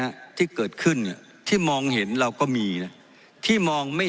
ที่เกิดขึ้นเนี่ยที่มองเห็นเราก็มีนะที่มองไม่